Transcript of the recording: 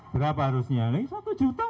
berapa harusnya ini satu juta